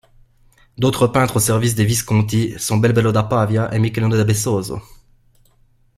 D'autres peintres au service des Visconti sont Belbello da Pavia et Michelino da Besozzo.